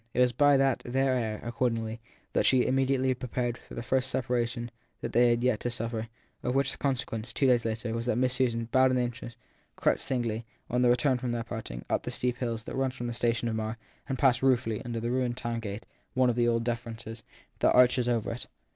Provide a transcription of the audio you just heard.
It was by their aid, accordingly, that she immediately prepared for the first separation they had had yet to suffer ; of which the consequence, two days later, was that Miss Susan, bowed and anxious, crept singly, on the return from their parting, up the steep hill that leads from the station of Marr and passed ruefully under the ruined town gate, one of the old defences, that arches over it.